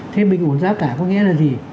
thế bình ổn giá cả có nghĩa là gì